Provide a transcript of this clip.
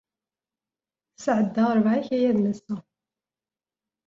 Sɛeddaɣ ṛebɛa n yikayaden ass-a.